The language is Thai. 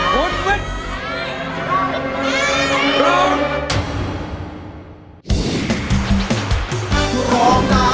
สวัสดีภิกษ์